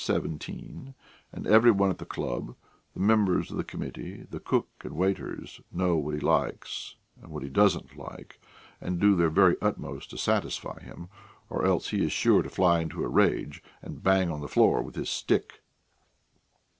17, and every one at the club the members of the committee, the cook and waiters know what he likes and what he doesn't like and do their very utmost to satisfy him, or else he is sure to fly into a rage and bang on the floor with his stick.